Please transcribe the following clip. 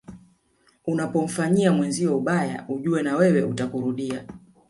Unapomfanyia mwenzio ubaya ujue na wewe utakurudia